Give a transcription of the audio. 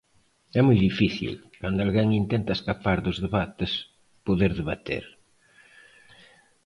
É moi difícil, cando alguén intenta escapar dos debates, poder debater.